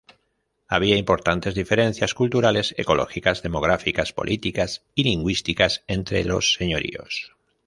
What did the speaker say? Había importantes diferencias culturales, ecológicas, demográficas, políticas y lingüísticas entre los señoríos.